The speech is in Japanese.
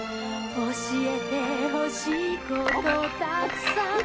「教えてほしいことたくさん」